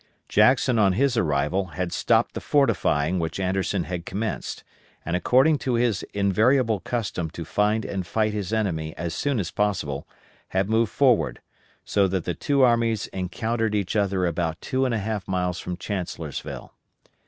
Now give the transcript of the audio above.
Jackson on his arrival, had stopped the fortifying which Anderson had commenced, and according to his invariable custom to find and fight his enemy as soon as possible, had moved forward; so that the two armies encountered each other about two and half miles from Chancellorsville.